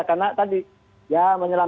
karena tadi ya menyelam